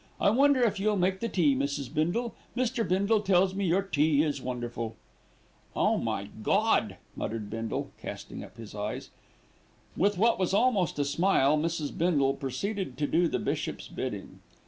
I wonder if you'll make the tea, Mrs. Bindle, Mr. Bindle tells me your tea is wonderful." "Oh, my Gawd!" murmured Bindle, casting up his eyes. With what was almost a smile, Mrs. Bindle proceeded to do the bishop's bidding.